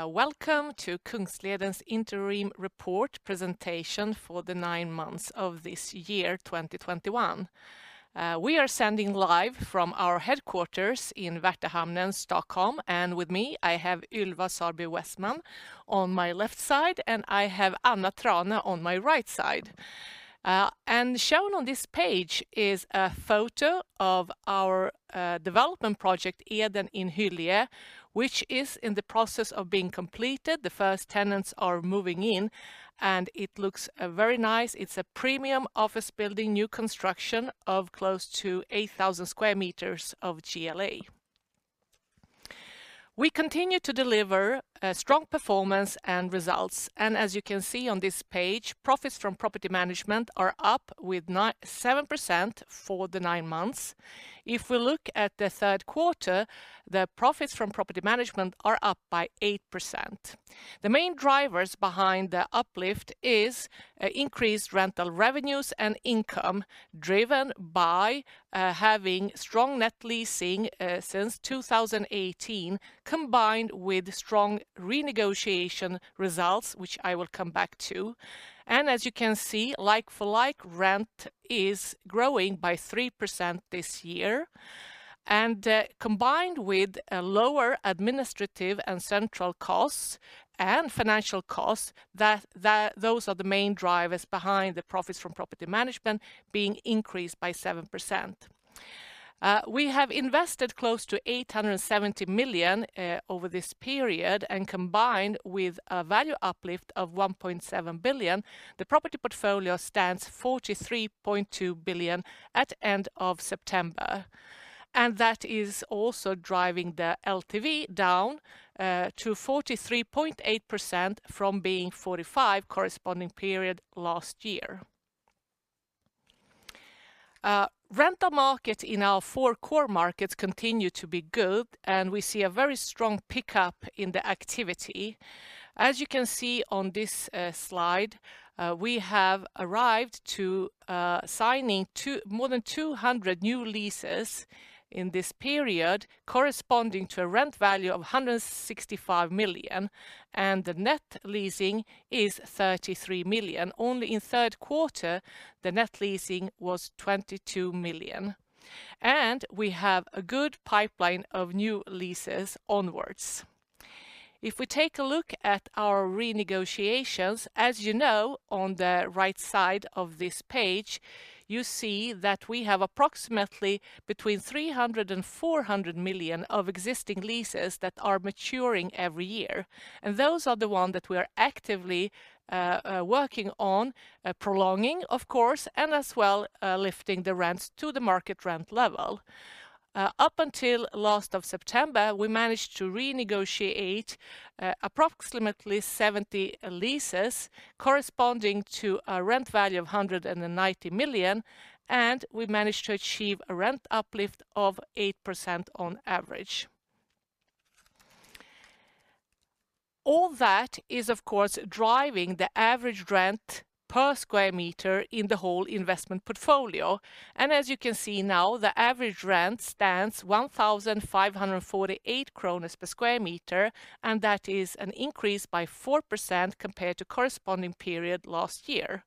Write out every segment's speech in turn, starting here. Welcome to Kungsleden's interim report presentation for the nine months of this year, 2021. We are sending live from our headquarters in Värtahamnen, Stockholm. With me, I have Ylva Sarby Westman on my left side, and I have Anna Trane on my right side. Shown on this page is a photo of our development project, Eden in Hyllie, which is in the process of being completed. The first tenants are moving in, and it looks very nice. It's a premium office building, new construction of close to 8,000 sq m of GLA. We continue to deliver strong performance and results. As you can see on this page, profits from property management are up with 7% for the nine months. If we look at the third quarter, the profits from property management are up by 8%. The main drivers behind the uplift is increased rental revenues and income driven by having strong net leasing since 2018, combined with strong renegotiation results, which I will come back to. As you can see, like-for-like rent is growing by 3% this year. Combined with lower administrative and central costs, and financial costs, those are the main drivers behind the profits from property management being increased by 7%. We have invested close to 870 million over this period. Combined with a value uplift of 1.7 billion, the property portfolio stands 43.2 billion at end of September. That is also driving the LTV down to 43.8% from being 45% corresponding period last year. Rental market in our four core markets continue to be good, and we see a very strong pickup in the activity. As you can see on this slide, we have arrived to signing more than 200 new leases in this period, corresponding to a rent value of 165 million. The net leasing is 33 million. Only in third quarter, the net leasing was 22 million. We have a good pipeline of new leases onwards. If we take a look at our renegotiations, as you know, on the right side of this page, you see that we have approximately between 300 million and 400 million of existing leases that are maturing every year. Those are the ones that we are actively working on prolonging, of course, and as well lifting the rents to the market rent level. Up until last of September, we managed to renegotiate approximately 70 leases corresponding to a rent value of 190 million, and we managed to achieve a rent uplift of 8% on average. All that is, of course, driving the average rent per square meter in the whole investment portfolio. As you can see now, the average rent stands 1,548 kronor per square meter, and that is an increase by 4% compared to corresponding period last year.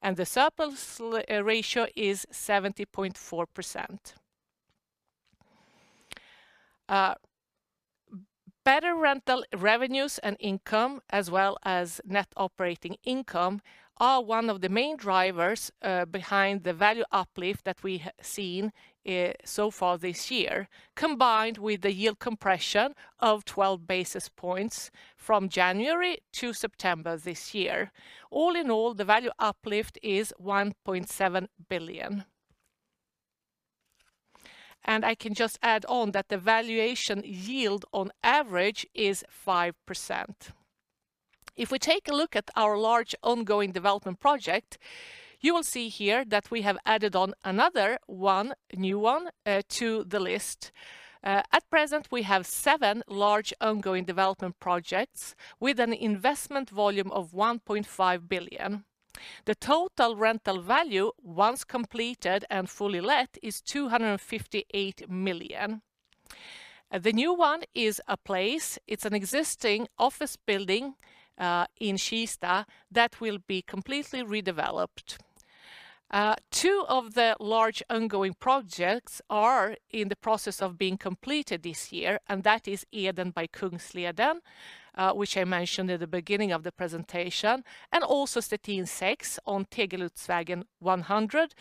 The surplus ratio is 70.4%. Better rental revenues and income as well as net operating income are one of the main drivers behind the value uplift that we have seen so far this year, combined with the yield compression of 12 basis points from January to September this year. All in all, the value uplift is 1.7 billion. I can just add on that the valuation yield on average is 5%. If we take a look at our large ongoing development project, you will see here that we have added on another one, new one to the list. At present, we have seven large ongoing development projects with an investment volume of 1.5 billion. The total rental value, once completed and fully let, is 258 million. The new one is a:place. It's an existing office building in Kista that will be completely redeveloped. Two of the large ongoing projects are in the process of being completed this year, and that is Eden by Kungsleden, which I mentioned at the beginning of the presentation, and also Stettin 6 on Tegeluddsvägen 100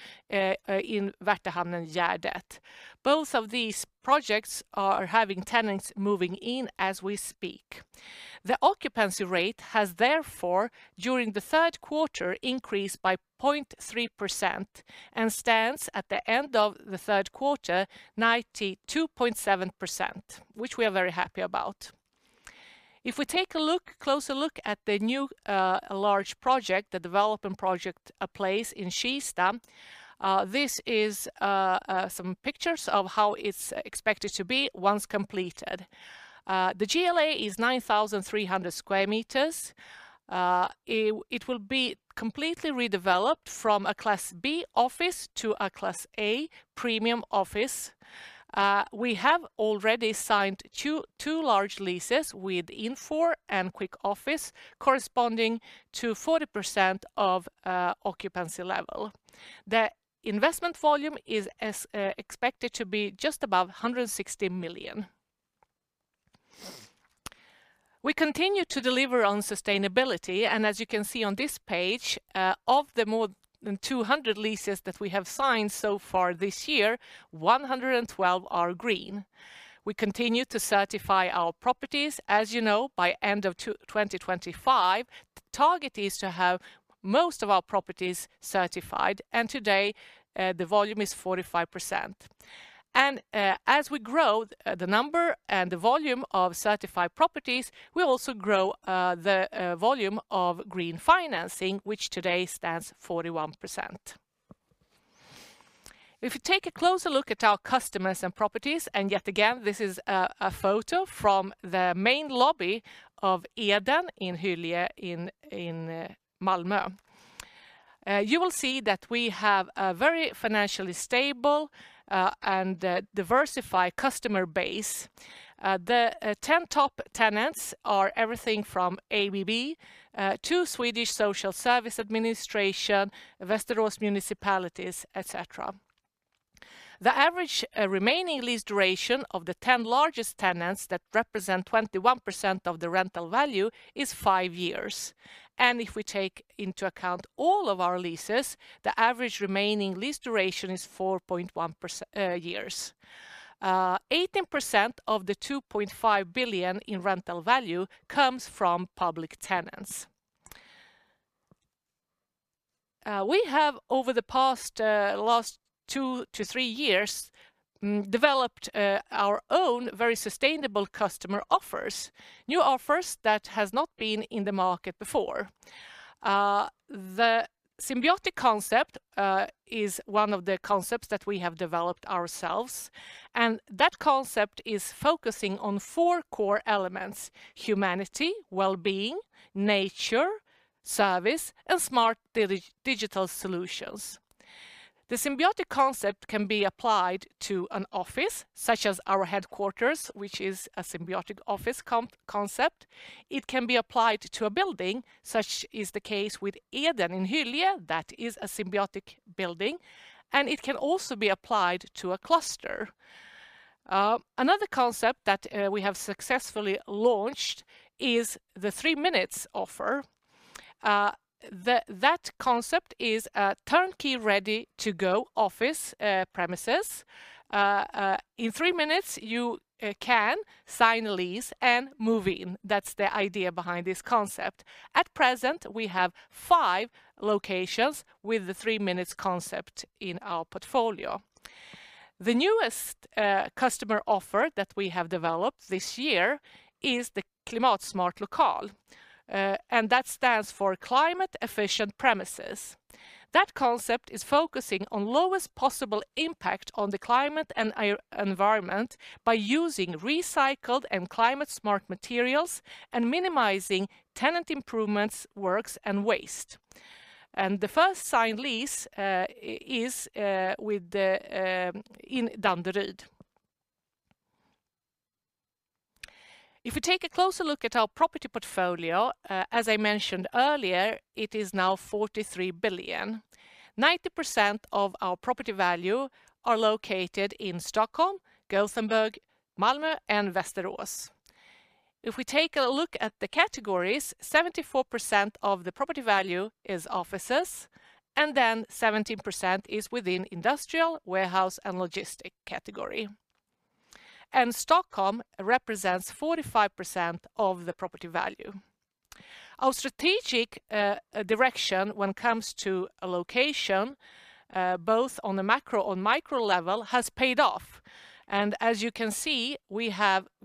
in Värtahamnen Gärdet. Both of these projects are having tenants moving in as we speak. The occupancy rate has therefore, during the third quarter, increased by 0.3% and stands at the end of the third quarter, 92.7%, which we are very happy about. If we take a closer look at the new large project, the development project, a place in Kista. This is some pictures of how it's expected to be once completed. The GLA is 9,300 sq m. It will be completely redeveloped from a Class B office to a Class A premium office. We have already signed two large leases with Infor and Quick Office, corresponding to 40% of occupancy level. The investment volume is expected to be just above 160 million. We continue to deliver on sustainability. As you can see on this page, of the more than 200 leases that we have signed so far this year, 112 are green. We continue to certify our properties. As you know, by end of 2025, the target is to have most of our properties certified. Today, the volume is 45%. As we grow the number and the volume of certified properties, we also grow the volume of green financing, which today stands 41%. If you take a closer look at our customers and properties, yet again, this is a photo from the main lobby of Eden in Hyllie in Malmö. You will see that we have a very financially stable and diversified customer base. The 10 top tenants are everything from ABB to Swedish Social Insurance Agency, Västerås Municipality, et cetera. The average remaining lease duration of the 10 largest tenants that represent 21% of the rental value is five years. If we take into account all of our leases, the average remaining lease duration is 4.1 years. 18% of the 2.5 billion in rental value comes from public tenants. We have, over the past last two to three years, developed our own very sustainable customer offers, new offers that has not been in the market before. The Symbiotic concept is one of the concepts that we have developed ourselves, and that concept is focusing on four core elements: humanity, well-being, nature, service, and smart digital solutions. The Symbiotic concept can be applied to an office, such as our headquarters, which is a Symbiotic office concept. It can be applied to a building, such is the case with Eden in Hyllie, that is a Symbiotic building, and it can also be applied to a cluster. Another concept that we have successfully launched is the Three Minutes offer. That concept is a turnkey, ready-to-go office premises. In Three Minutes, you can sign a lease and move in. That's the idea behind this concept. At present, we have five locations with the Three Minutes concept in our portfolio. The newest customer offer that we have developed this year is the Klimatsmart Lokal, and that stands for climate-efficient premises. That concept is focusing on lowest possible impact on the climate and environment by using recycled and climate-smart materials and minimizing tenant improvements, works, and waste. The first signed lease is in Danderyd. If we take a closer look at our property portfolio, as I mentioned earlier, it is now 43 billion. 90% of our property value are located in Stockholm, Gothenburg, Malmö, and Västerås. If we take a look at the categories, 74% of the property value is offices, 17% is within industrial, warehouse, and logistic category. Stockholm represents 45% of the property value. Our strategic direction when it comes to a location, both on the macro and micro level, has paid off. As you can see, we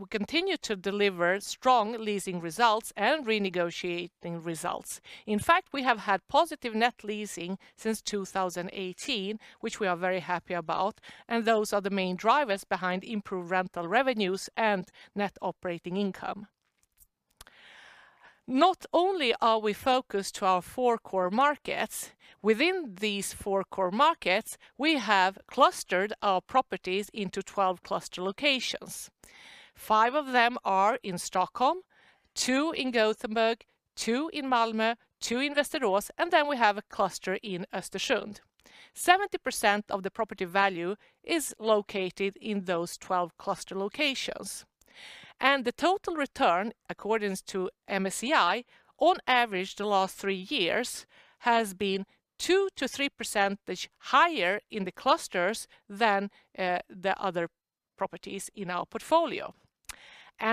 continue to deliver strong leasing results and renegotiating results. In fact, we have had positive net leasing since 2018, which we are very happy about, and those are the main drivers behind improved rental revenues and net operating income. Not only are we focused to our four core markets, within these four core markets, we have clustered our properties into 12 cluster locations. Five of them are in Stockholm, two in Gothenburg, two in Malmö, two in Västerås, and then we have a cluster in Östersund. 70% of the property value is located in those 12 cluster locations. The total return, according to MSCI, on average the last three years, has been 2%-3% higher in the clusters than the other properties in our portfolio.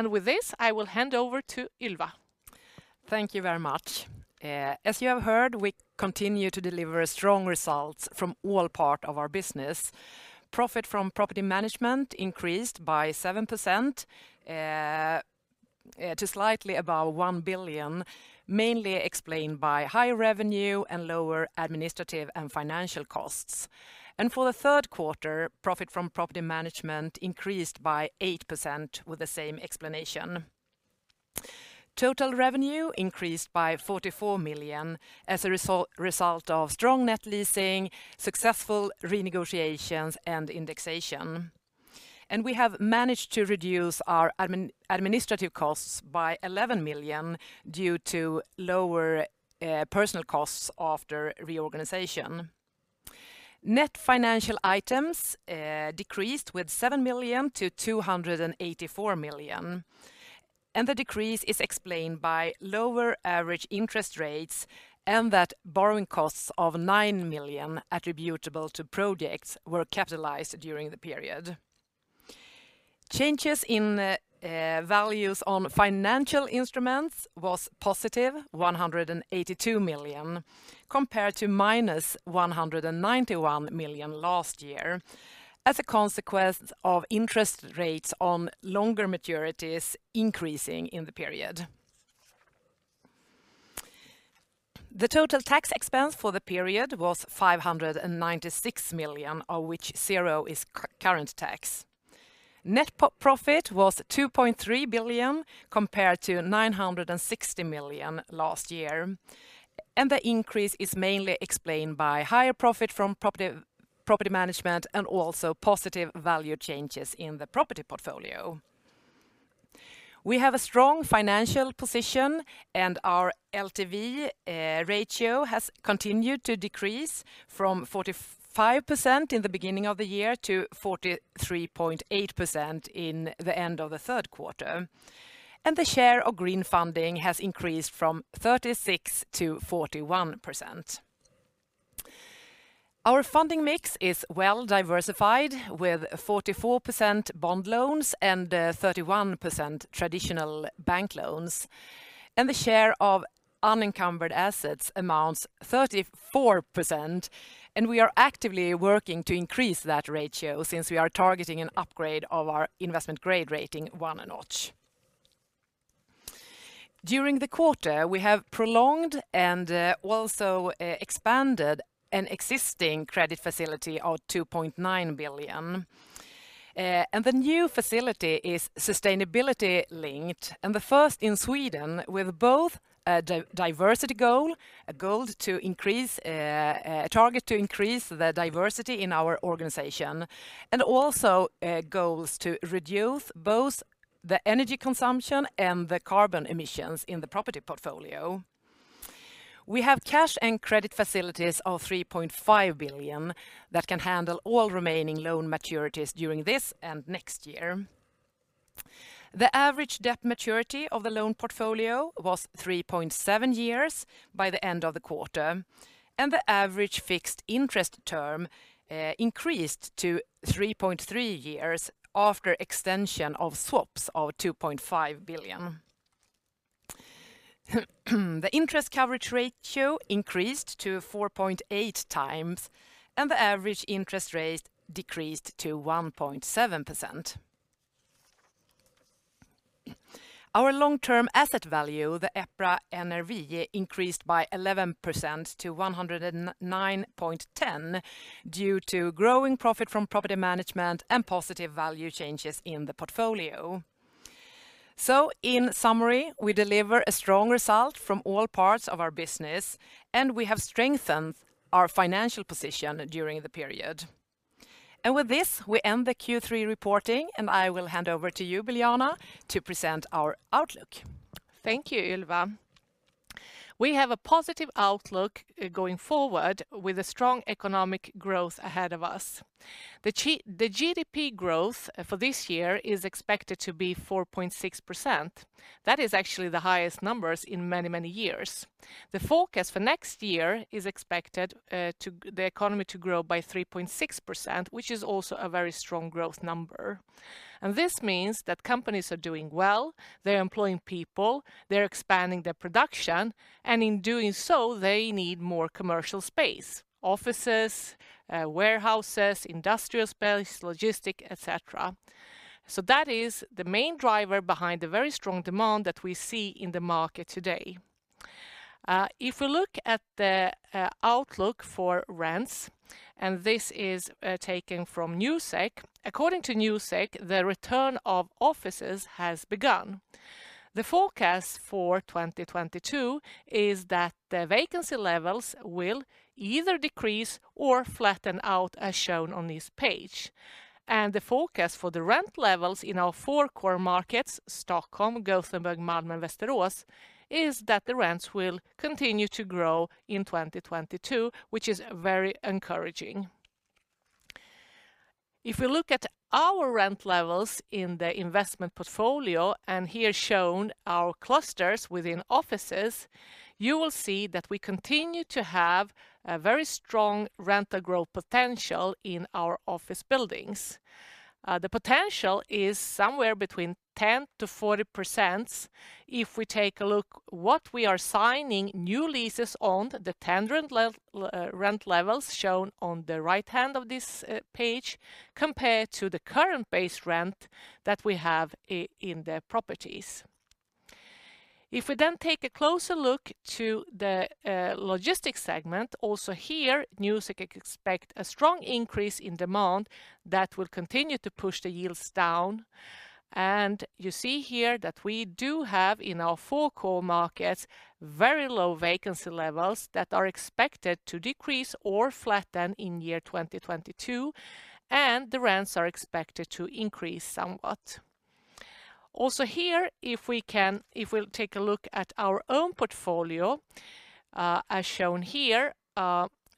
With this, I will hand over to Ylva. Thank you very much. As you have heard, we continue to deliver strong results from all part of our business. Profit from property management increased by 7% to slightly above 1 billion, mainly explained by high revenue and lower administrative and financial costs. For the third quarter, profit from property management increased by 8% with the same explanation. Total revenue increased by 44 million as a result of strong net leasing, successful renegotiations, and indexation. We have managed to reduce our administrative costs by 11 million due to lower personnel costs after reorganization. Net financial items decreased with 7 million to 284 million. The decrease is explained by lower average interest rates and that borrowing costs of 9 million attributable to projects were capitalized during the period. Changes in values on financial instruments was positive, 182 million, compared to -191 million last year, as a consequence of interest rates on longer maturities increasing in the period. The total tax expense for the period was 596 million, of which zero is current tax. Net profit was 2.3 billion compared to 960 million last year. The increase is mainly explained by higher profit from property management and also positive value changes in the property portfolio. We have a strong financial position. Our LTV ratio has continued to decrease from 45% in the beginning of the year to 43.8% in the end of the third quarter. The share of green funding has increased from 36% to 41%. Our funding mix is well diversified with 44% bond loans and 31% traditional bank loans, the share of unencumbered assets amounts 34%, and we are actively working to increase that ratio since we are targeting an upgrade of our investment grade rating one a notch. During the quarter, we have prolonged and also expanded an existing credit facility of 2.9 billion. The new facility is sustainability-linked, and the first in Sweden with both a diversity goal, a target to increase the diversity in our organization, and also goals to reduce both the energy consumption and the carbon emissions in the property portfolio. We have cash and credit facilities of 3.5 billion that can handle all remaining loan maturities during this and next year. The average debt maturity of the loan portfolio was 3.7 years by the end of the quarter, and the average fixed interest term increased to 3.3 years after extension of swaps of 2.5 billion. The interest coverage ratio increased to 4.8x, and the average interest rate decreased to 1.7%. Our long-term asset value, the EPRA NRV, increased by 11% to 109.10 due to growing profit from property management and positive value changes in the portfolio. In summary, we deliver a strong result from all parts of our business, and we have strengthened our financial position during the period. With this, we end the Q3 reporting, and I will hand over to you, Biljana, to present our outlook. Thank you, Ylva. We have a positive outlook going forward with a strong economic growth ahead of us. The GDP growth for this year is expected to be 4.6%. That is actually the highest numbers in many, many years. The forecast for next year is expected the economy to grow by 3.6%, which is also a very strong growth number. This means that companies are doing well, they're employing people, they're expanding their production, and in doing so, they need more commercial space: offices, warehouses, industrial space, logistics, et cetera. That is the main driver behind the very strong demand that we see in the market today. If we look at the outlook for rents, this is taken from Newsec. According to Newsec, the return of offices has begun. The forecast for 2022 is that the vacancy levels will either decrease or flatten out, as shown on this page. The forecast for the rent levels in our four core markets, Stockholm, Gothenburg, Malmö, and Västerås, is that the rents will continue to grow in 2022, which is very encouraging. If we look at our rent levels in the investment portfolio, and here shown our clusters within offices, you will see that we continue to have a very strong rental growth potential in our office buildings. The potential is somewhere between 10%-40% if we take a look what we are signing new leases on the tender rent levels shown on the right-hand of this page compared to the current base rent that we have in the properties. If we take a closer look to the logistics segment, also here, Newsec expect a strong increase in demand that will continue to push the yields down. You see here that we do have in our four core markets very low vacancy levels that are expected to decrease or flatten in year 2022, and the rents are expected to increase somewhat. Also here, if we'll take a look at our own portfolio, as shown here,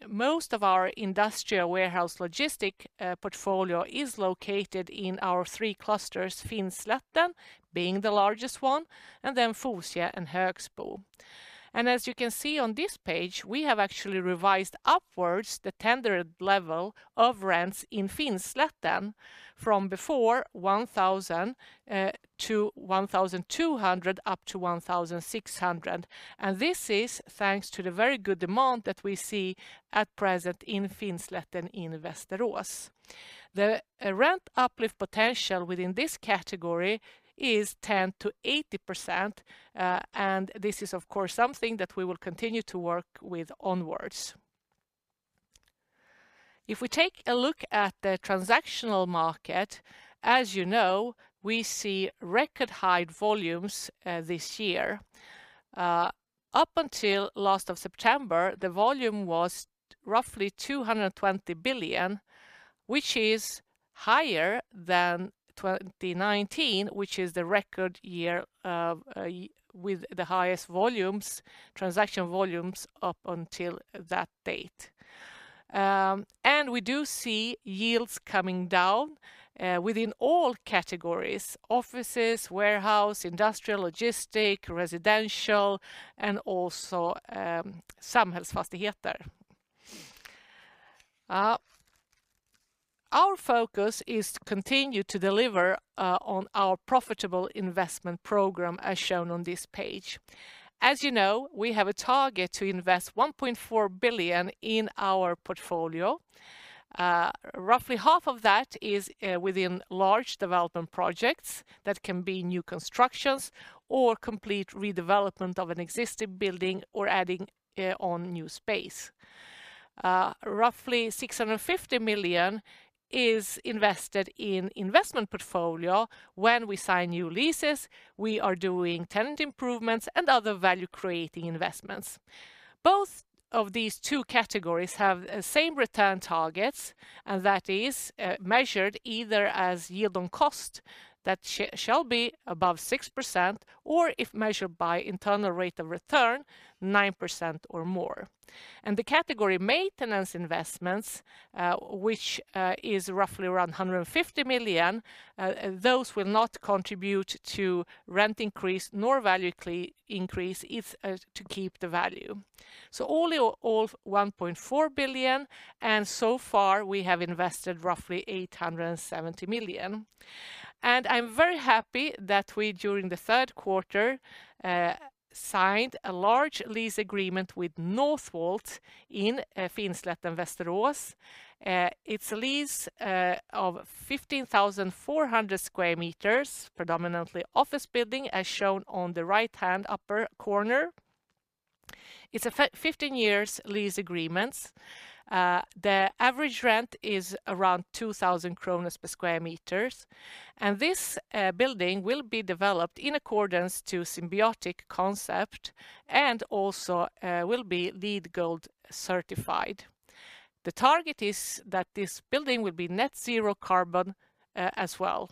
most of our industrial warehouse logistic portfolio is located in our three clusters, Finslätten being the largest one, and then Fosie and Högsbo. As you can see on this page, we have actually revised upwards the tendered level of rents in Finslätten from before 1,000 to 1,200 up to 1,600. This is thanks to the very good demand that we see at present in Finslätten in Västerås. The rent uplift potential within this category is 10%-80%, this is, of course, something that we will continue to work with onwards. If we take a look at the transactional market, as you know, we see record high volumes this year. Up until last of September, the volume was roughly 220 billion, which is higher than 2019, which is the record year with the highest transaction volumes up until that date. We do see yields coming down within all categories: offices, warehouse, industrial, logistic, residential, and also samhällsfastigheter. Our focus is to continue to deliver on our profitable investment program as shown on this page. As you know, we have a target to invest 1.4 billion in our portfolio. Roughly half of that is within large development projects. That can be new constructions or complete redevelopment of an existing building or adding on new space. Roughly 650 million is invested in investment portfolio. When we sign new leases, we are doing tenant improvements and other value-creating investments. Both of these two categories have the same return targets, and that is measured either as yield on cost, that shall be above 6%, or if measured by internal rate of return, 9% or more. The category maintenance investments, which is roughly around 150 million, those will not contribute to rent increase nor value increase if to keep the value. All 1.4 billion, and so far we have invested roughly 870 million. I'm very happy that we, during the third quarter signed a large lease agreement with Northvolt in Finslätten, Västerås. It's a lease of 15,400 sq m, predominantly office building, as shown on the right-hand upper corner. It's a 15 years lease agreement. The average rent is around 2,000 per sq m. This building will be developed in accordance to Symbiotic Building concept and also will be LEED Gold certified. The target is that this building will be net zero carbon as well.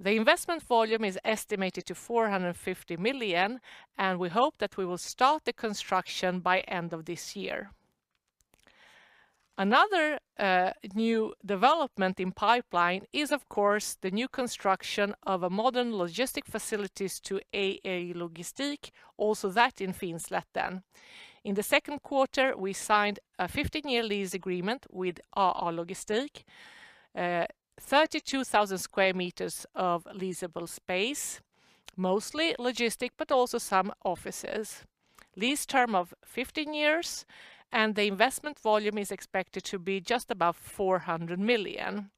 The investment volume is estimated to 450 million, and we hope that we will start the construction by end of this year. Another new development in pipeline is, of course, the new construction of a modern logistic facilities to AA Logistik, also that in Finslätten. In the second quarter, we signed a 15-year lease agreement with AA Logistik, 32,000 sq m of leasable space, mostly logistic, but also some offices. Lease term of 15 years, and the investment volume is expected to be just above 400 million.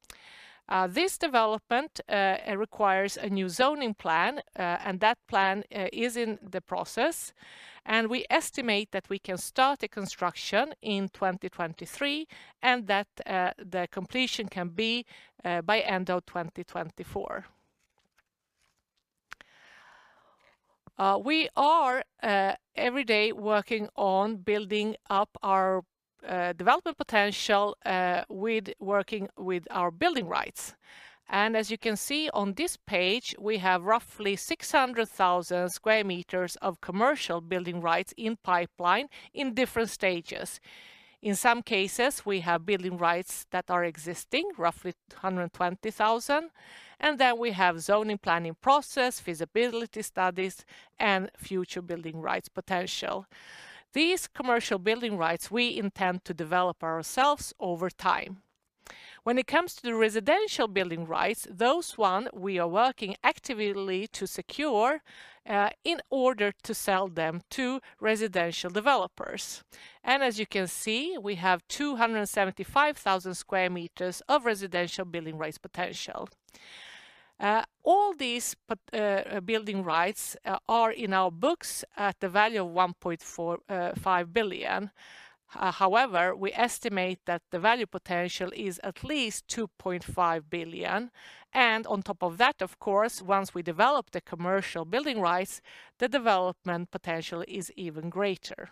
This development requires a new zoning plan, and that plan is in the process, and we estimate that we can start the construction in 2023, and that the completion can be by end of 2024. We are every day working on building up our development potential with working with our building rights. As you can see on this page, we have roughly 600,000 sq m of commercial building rights in pipeline in different stages. In some cases, we have building rights that are existing, roughly 120,000, and then we have zoning planning process, feasibility studies, and future building rights potential. These commercial building rights we intend to develop ourselves over time. When it comes to the residential building rights, those ones we are working actively to secure in order to sell them to residential developers. As you can see, we have 275,000 square meters of residential building rights potential. All these building rights are in our books at the value of 1.5 billion. However, we estimate that the value potential is at least 2.5 billion. On top of that, of course, once we develop the commercial building rights, the development potential is even greater.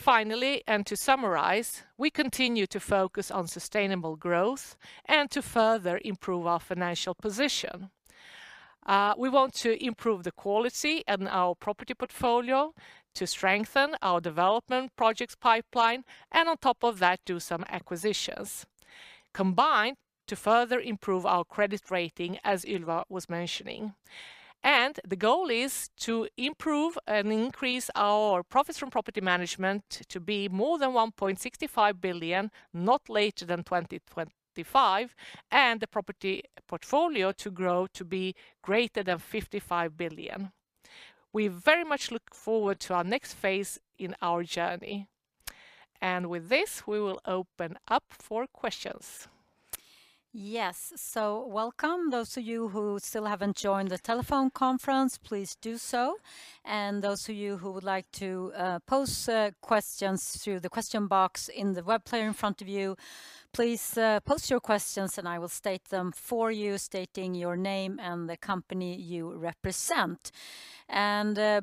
Finally, to summarize, we continue to focus on sustainable growth and to further improve our financial position. We want to improve the quality in our property portfolio, to strengthen our development projects pipeline, and on top of that, do some acquisitions. Combined, to further improve our credit rating, as Ylva was mentioning. The goal is to improve and increase our profits from property management to be more than 1.65 billion, not later than 2025, and the property portfolio to grow to be greater than 55 billion. We very much look forward to our next phase in our journey. With this, we will open up for questions. Yes. Welcome those of you who still haven't joined the telephone conference, please do so, and those of you who would like to pose questions through the question box in the web player in front of you, please post your questions and I will state them for you, stating your name and the company you represent.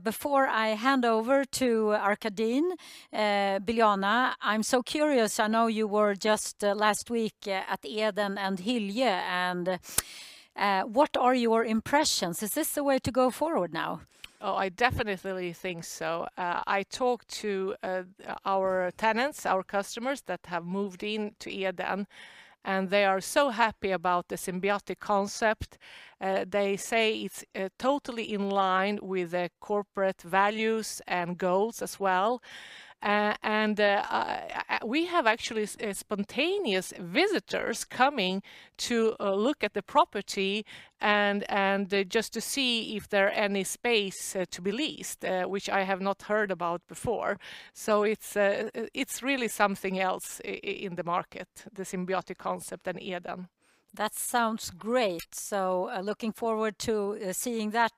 Before I hand over to Arkadin, Biljana, I'm so curious. I know you were just last week at Eden and Hyllie. What are your impressions? Is this the way to go forward now? Oh, I definitely think so. I talked to our tenants, our customers, that have moved into Eden, they are so happy about the Symbiotic concept. They say it's totally in line with their corporate values and goals as well. We have actually spontaneous visitors coming to look at the property and just to see if there are any space to be leased, which I have not heard about before. It's really something else in the market, the Symbiotic concept in Eden. That sounds great. Looking forward to seeing that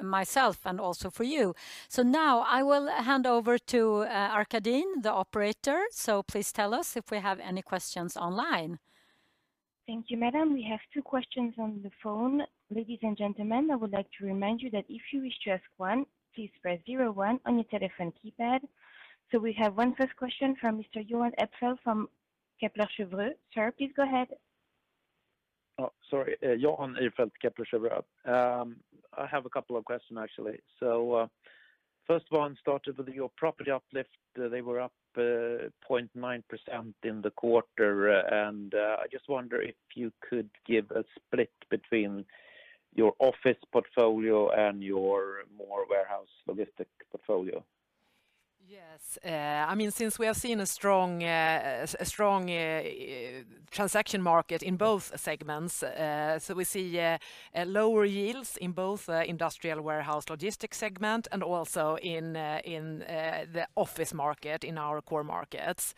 myself and also for you. Now I will hand over to Arkadin, the operator. Please tell us if we have any questions online. Thank you, madam. We have two questions on the phone. Ladies and gentlemen, I would like to remind you that if you wish to ask one, please press zero one on your telephone keypad. We have one first question from Mr. Jan Ihrfelt from Kepler Cheuvreux. Sir, please go ahead. Oh, sorry. Jan Ihrfelt, Kepler Cheuvreux. I have a couple of questions, actually. First of all, starting with your property uplift, they were up 0.9% in the quarter, I just wonder if you could give a split between your office portfolio and your more warehouse logistic portfolio. Yes. Since we have seen a strong transaction market in both segments, we see lower yields in both industrial warehouse logistic segment and also in the office market, in our core markets.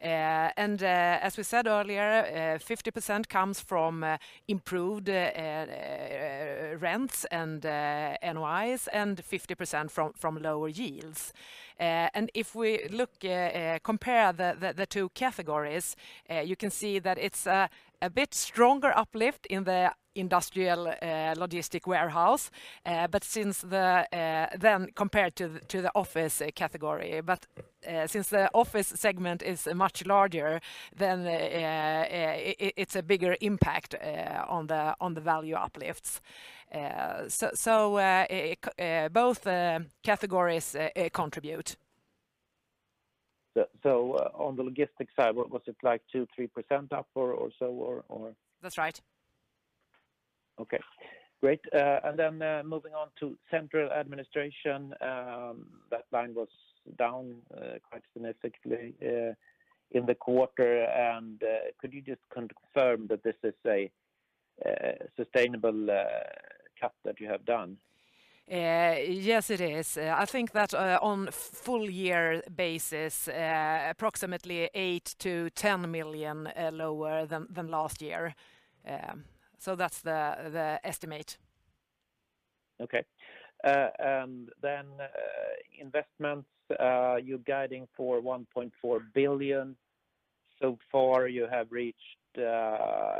As we said earlier, 50% comes from improved rents and NOIs, and 50% from lower yields. If we compare the two categories, you can see that it's a bit stronger uplift in the industrial logistic warehouse, since then compared to the office category. Since the office segment is much larger, it's a bigger impact on the value uplifts. Both categories contribute. On the logistics side, was it like 2%-3% up or so? That's right. Okay, great. Moving on to central administration. That line was down quite significantly in the quarter, could you just confirm that this is a sustainable cut that you have done? Yes, it is. I think that on a full year basis, approximately 8 million-10 million lower than last year. That's the estimate. Okay. Investments, you're guiding for 1.4 billion. So far you have reached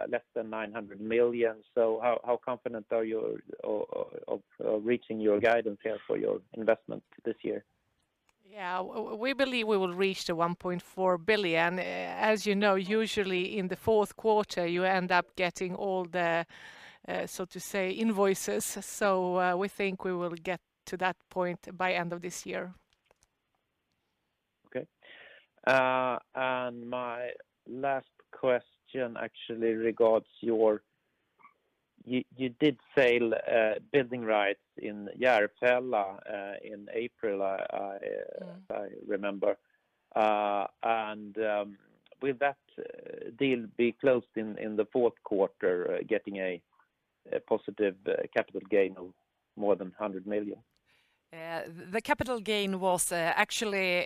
less than 900 million. How confident are you of reaching your guidance there for your investments this year? Yeah, we believe we will reach the 1.4 billion. As you know, usually in the fourth quarter, you end up getting all the, so to say, invoices. We think we will get to that point by end of this year. Okay. My last question actually regards You did sell building rights in Järfälla in April, I remember. Will that deal be closed in the fourth quarter, getting a positive capital gain of more than 100 million? The capital gain was actually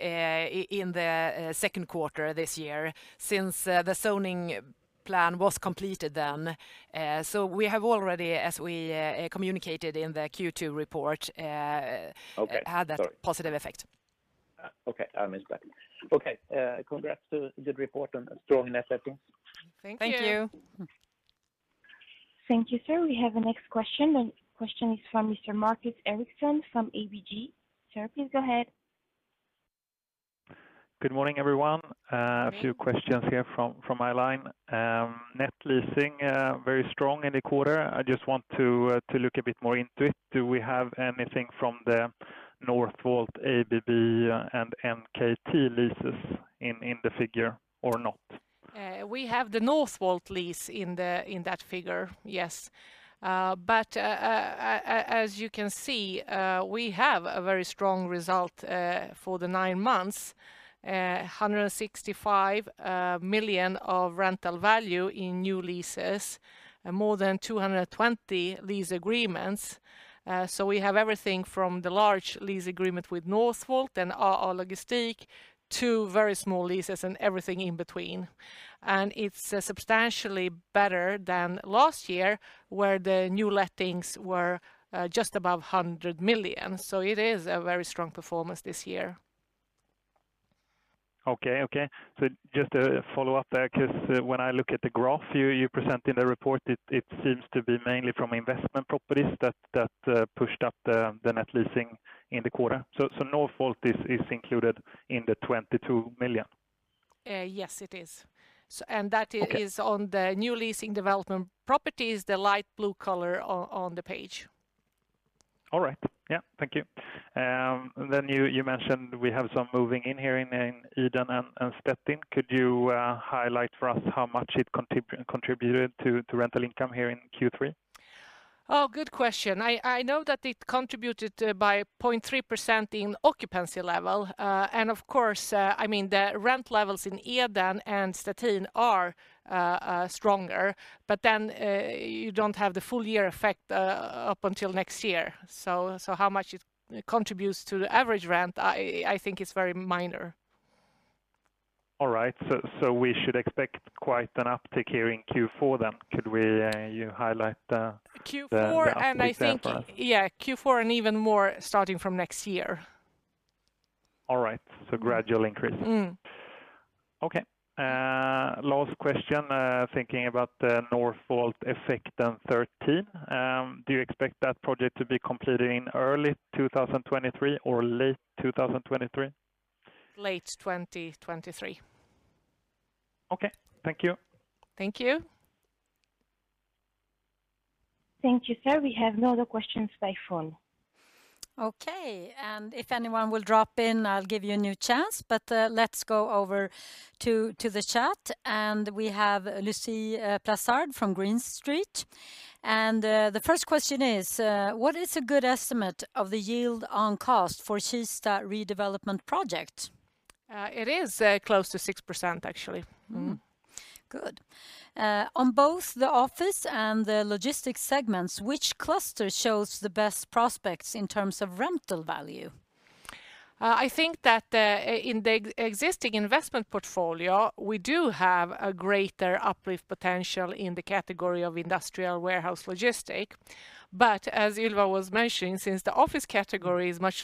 in the second quarter this year, since the zoning plan was completed then. We have already, as we communicated in the Q2 report had that positive effect. Okay, I missed that. Okay. Congrats, a good report and strong net setting. Thank you. Thank you, sir. We have the next question. The question is from Mr. Markus Henriksson from ABG. Sir, please go ahead. Good morning, everyone. A few questions here from my line. Net leasing, very strong in the quarter. I just want to look a bit more into it. Do we have anything from the Northvolt, ABB, and NKT leases in the figure or not? We have the Northvolt lease in that figure, yes. As you can see, we have a very strong result for the nine months, 165 million of rental value in new leases and more than 220 lease agreements. We have everything from the large lease agreement with Northvolt and AA Logistik to very small leases and everything in between. It's substantially better than last year, where the new lettings were just above 100 million. It is a very strong performance this year. Okay. Just a follow-up there, because when I look at the graph you present in the report, it seems to be mainly from investment properties that pushed up the net leasing in the quarter. Northvolt is included in the 22 million? Yes, it is. Okay. That is on the new leasing development properties, the light blue color on the page. All right. Yeah, thank you. You mentioned we have some moving in here in Eden and Stettin. Could you highlight for us how much it contributed to rental income here in Q3? Oh, good question. I know that it contributed by 0.3% in occupancy level. Of course, the rent levels in Eden and Stettin are stronger. You don't have the full year effect up until next year. How much it contributes to the average rent, I think it's very minor. All right, we should expect quite an uptick here in Q4 then. Could you highlight the uplift there for us? Yeah, Q4 and even more starting from next year. All right, gradual increase. Okay. Last question, thinking about the Northvolt Effekten 13. Do you expect that project to be completed in early 2023 or late 2023? Late 2023. Okay. Thank you. Thank you. Thank you, sir. We have no other questions by phone. Okay, if anyone will drop in, I'll give you a new chance. Let's go over to the chat, and we have Lucie Plassard from Green Street. The first question is: What is a good estimate of the yield on cost for Kista redevelopment project? It is close to 6%, actually. Mm-hmm. Good. On both the office and the logistics segments, which cluster shows the best prospects in terms of rental value? I think that in the existing investment portfolio, we do have a greater uplift potential in the category of industrial warehouse logistics. As Ylva was mentioning, since the office category is much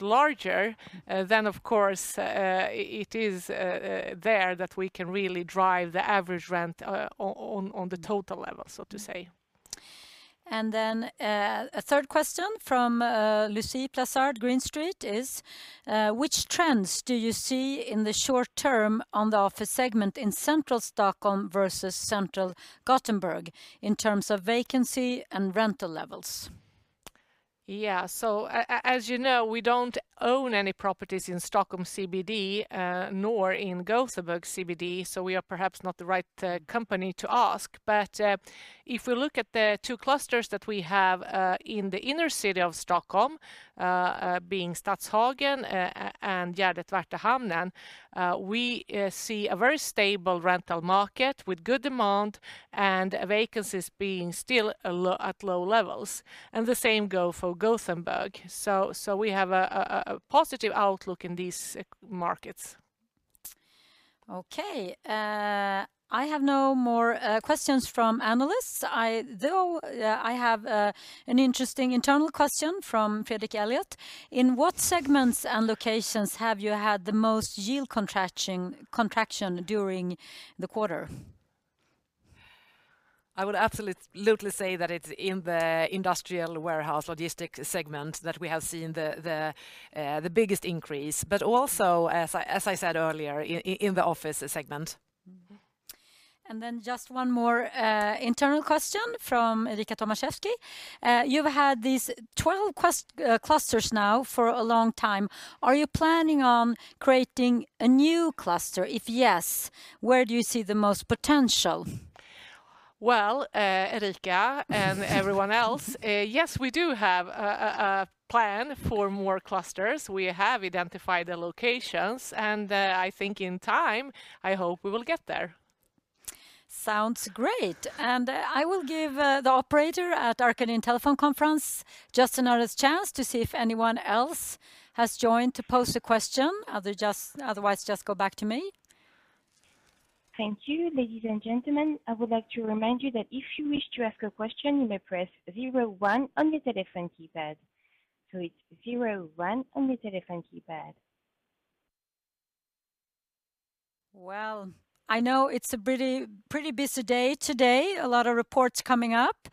larger, then of course it is there that we can really drive the average rent on the total level, so to say. A third question from Lucie Plassard, Green Street is: Which trends do you see in the short term on the office segment in central Stockholm versus central Gothenburg in terms of vacancy and rental levels? As you know, we don't own any properties in Stockholm CBD nor in Gothenburg CBD, we are perhaps not the right company to ask. If we look at the two clusters that we have in the inner city of Stockholm, being Stadshagen and Gärdet Värtahamnen, we see a very stable rental market with good demand and vacancies being still at low levels, the same go for Gothenburg. We have a positive outlook in these markets. Okay. I have no more questions from analysts. I have an interesting internal question from Fredrik Elliott: In what segments and locations have you had the most yield contraction during the quarter? I would absolutely say that it's in the industrial warehouse logistics segment that we have seen the biggest increase, but also, as I said earlier, in the office segment. Just one more internal question from Erika Tomaszewski: You've had these 12 clusters now for a long time. Are you planning on creating a new cluster? If yes, where do you see the most potential? Well, Erika and everyone else, yes, we do have a plan for more clusters. We have identified the locations, and I think in time, I hope we will get there. Sounds great. I will give the operator at our Arkadin telephone conference just another chance to see if anyone else has joined to pose a question. Otherwise, just go back to me. Thank you, ladies and gentlemen. I would like to remind you that if you wish to ask a question, you may press zero one on your telephone keypad. It's zero one on your telephone keypad. Well, I know it's a pretty busy day today, a lot of reports coming up.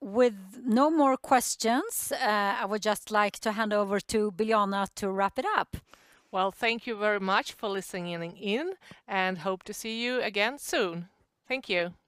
With no more questions, I would just like to hand over to Biljana to wrap it up. Well, thank you very much for listening in, and hope to see you again soon. Thank you.